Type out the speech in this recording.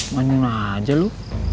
manjung aja lu